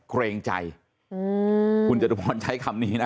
เกรงใจอืมคุณจริงใช้คำนี้นะ